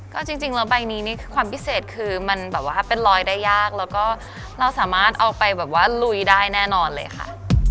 ก็จริงแล้วใบนี้นี่ความพิเศษคือมันแบบว่าเป็นรอยได้ยากแล้วก็เราสามารถเอาไปแบบว่าลุยได้แน่นอนเลยค่ะ